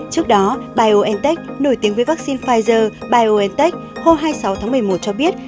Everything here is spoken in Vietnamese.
trước đó biontech nổi tiếng với vaccine pfizer biontech hôm hai mươi sáu tháng một mươi một cho biết